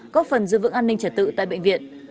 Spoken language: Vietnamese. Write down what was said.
góp phần giữ vững an ninh trật tự tại bệnh viện